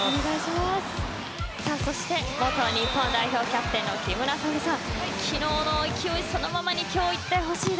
そして元日本代表キャプテンの木村沙織さん